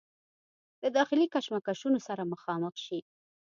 د داخلي کشمکشونو سره مخامخ شي